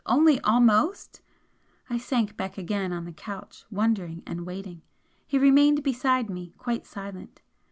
Only 'almost'! I sank back again on the couch, wondering and waiting. He remained beside me quite silent.